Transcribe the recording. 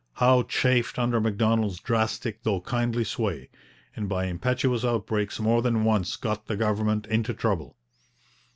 Howe chafed under Macdonald's drastic though kindly sway, and by impetuous outbreaks more than once got the government into trouble.